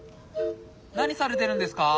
何されてるんですか？